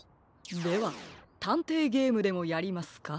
ではたんていゲームでもやりますか？